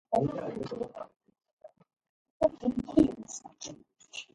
A total of five officials and coaches accompanied the team to the games.